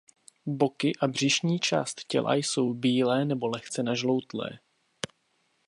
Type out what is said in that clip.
Boky a břišní část těla jsou bílé nebo lehce nažloutlé.